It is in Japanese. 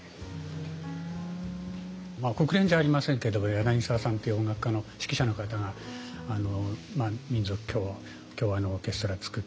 国連じゃありませんけども柳澤さんっていう音楽家の指揮者の方が民族協和のオーケストラ作って指揮されているとか。